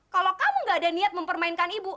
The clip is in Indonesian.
kalau kamu gak ada niat mempermainkan ibu